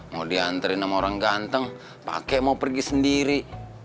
mau dianterin sama orang ganteng pakai mau pergi sendiri